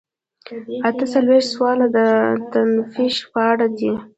اته څلویښتم سوال د تفتیش په اړه دی.